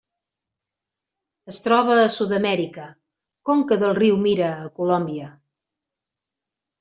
Es troba a Sud-amèrica: conca del riu Mira a Colòmbia.